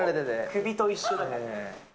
首と一緒だ。